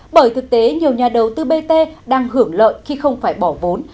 bởi thực tế nhiều nhà đầu tư bt đang hưởng lợi khi không phải bỏ vốn